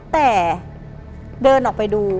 แต่เดินออกไปดู